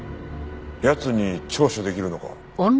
奴に聴取できるのか？